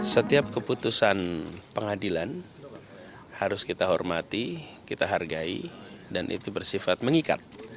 setiap keputusan pengadilan harus kita hormati kita hargai dan itu bersifat mengikat